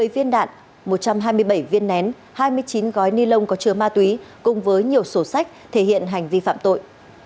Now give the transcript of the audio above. một mươi viên đạn một trăm hai mươi bảy viên nén hai mươi chín gói ni lông có chứa ma túy cùng với nhiều sổ sách thể hiện hành vi phạm tội